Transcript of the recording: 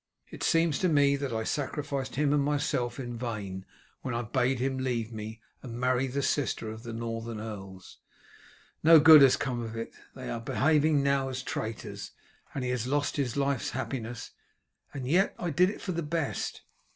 It seems to me that I sacrificed him and myself in vain when I bade him leave me and marry the sister of the Northern earls. No good has come of it. They are behaving now as traitors, and he has lost his life's happiness. And yet I did it for the best."